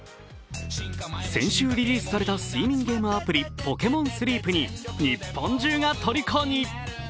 先週リリースされた睡眠ゲームアプリ「Ｐｏｋｅ’ｍｏｎＳｌｅｅｐ」に日本中がとりこに。